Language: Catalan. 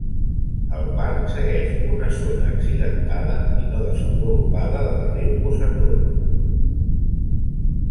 El parc segueix una zona accidentada i no desenvolupada del riu Cossatot.